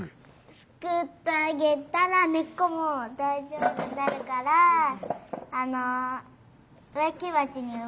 すくってあげたらねっこもだいじょうぶになるからあのうえきばちにうえられる。